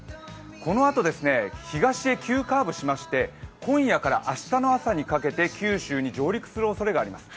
このあと東へ急カーブしまして、今夜から明日の朝にかけて九州に上陸する可能性があります。